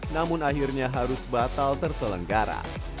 namun akhirnya harus batal terselenggara